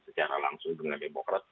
secara langsung dengan demokrat